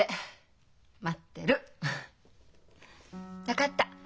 分かった！